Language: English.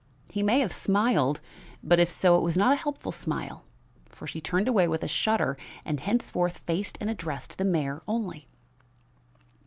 He may have smiled, but if so, it was not a helpful smile; for she turned away with a shudder and henceforth faced and addressed the mayor only.